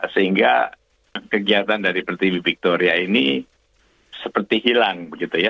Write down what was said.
sehingga kegiatan dari per tv victoria ini seperti hilang begitu ya